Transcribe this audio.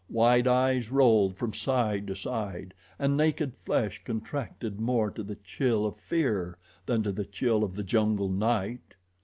Wide eyes rolled from side to side, and naked flesh contracted more to the chill of fear than to the chill of the jungle night.